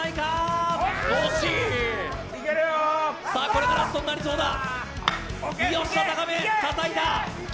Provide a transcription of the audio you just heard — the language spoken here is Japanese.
これがラストになりそうだ。